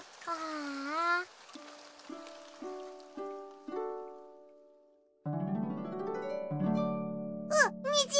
あっにじ！